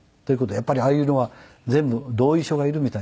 やっぱりああいうのは全部同意書がいるみたいですね。